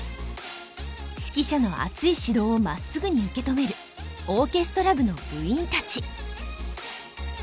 指揮者の熱い指導をまっすぐに受け止めるオーケストラ部の部員たち。